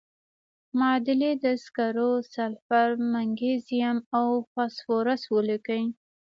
معادلې د سکرو، سلفر، مګنیزیم او فاسفورس ولیکئ.